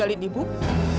selalu adalah untukmu